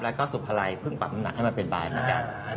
แล้วก็สุพรัยเพิ่งปรับน้ำหนักให้มันเป็นบายเหมือนกัน